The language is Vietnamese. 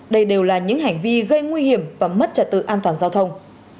đây đều là những hành vi gây nguy hiểm và mất trật tự an toàn giao thông